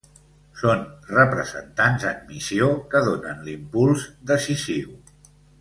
Són representants en missió que donen l'impuls decisiu.